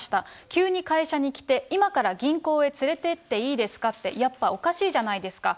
急に会社に来て、今から銀行へ連れてっていいですかって、やっぱおかしいじゃないですか。